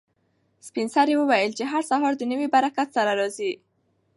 سپین سرې وویل چې هر سهار د نوي برکت سره راځي.